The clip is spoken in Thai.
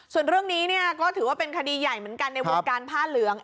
ส่วนเรื่องนี้เนี่ยก็ถือว่าเป็นคดีใหญ่เหมือนกันในวงการผ้าเหลือง